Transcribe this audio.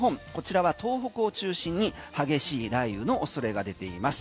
こちらは東北を中心に激しい雷雨の恐れが出ています。